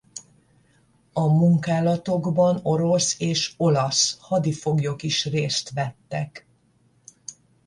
A munkálatokban orosz és olasz hadifoglyok is részt vettek.